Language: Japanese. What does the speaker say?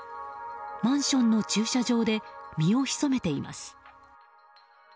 マンションの駐車場で身を潜めています。